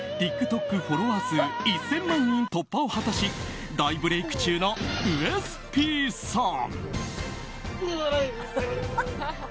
フォロワー数１０００万人突破を果たし大ブレーク中のウエスＰさん。